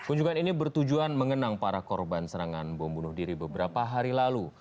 kunjungan ini bertujuan mengenang para korban serangan bom bunuh diri beberapa hari lalu